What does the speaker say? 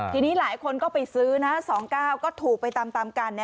ทีนี้หลายคนก็ไปซื้อนะ๒๙ก็ถูกไปตามกัน